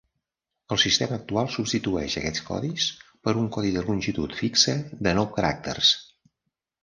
El sistema actual substitueix aquests codis per un codi de longitud fixa de nou caràcters.